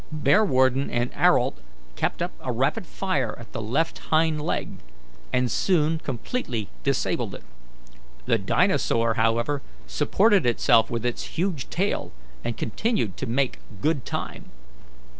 Bearwarden and Ayrault kept up a rapid fire at the left hind leg, and soon completely disabled it. The dinosaur, however, supported itself with its huge tail, and continued to make good time.